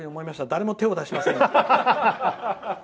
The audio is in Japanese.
誰も手を出しませんでした。